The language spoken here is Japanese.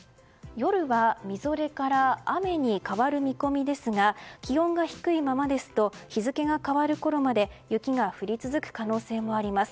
夜は、みぞれから雨に変わる見込みですが気温が低いままですと日付が変わるころまで雪が降り続く可能性もあります。